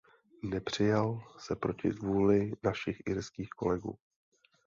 Nepřijal se proti vůli našich irských kolegů.